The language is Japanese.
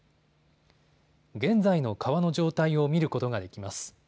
現在の川の状態を見ることができます。